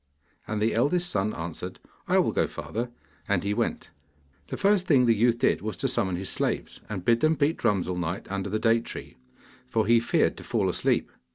And the eldest son answered, 'I will go, father,' and he went. The first thing the youth did was to summon his slaves, and bid them beat drums all night under the date tree, for he feared to fall asleep.